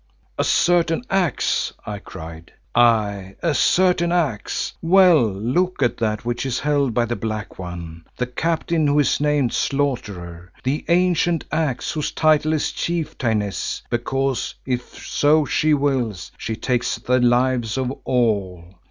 "A certain axe!" I cried. "Aye, a certain axe! Well, look at that which is held by the Black One, the captain who is named Slaughterer, the ancient axe whose title is Chieftainess, because if so she wills, she takes the lives of all.